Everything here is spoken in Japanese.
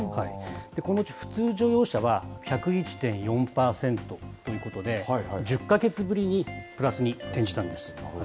このうち、普通乗用車は１０１．４％ということで、１０か月ぶりにプラスに転じたんです。